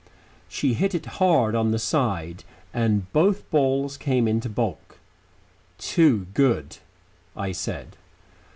She hit it hard on the side, and both balls came into baulk. "Too good," I said.